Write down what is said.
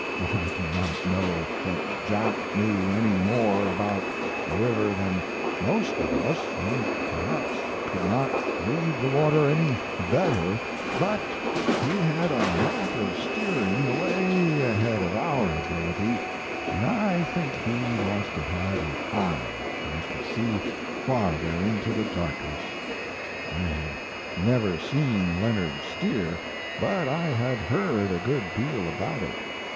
I do not know that Jack knew anymore about the river than most of us and perhaps could not read the water any better, but he had a knack of steering away ahead of our ability, and I think he must have had an eye that could see farther into the darkness. "I had never seen Leonard steer, but I had heard a good deal about it.